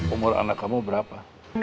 umur anak kamu berapa